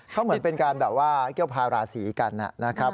เขาเหมือนเป็นการแบบว่าเกี่ยวพาราศีกันนะครับ